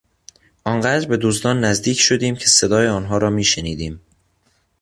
آن قدر به دزدان نزدیک شدیم که صدای آنها را میشنیدیم.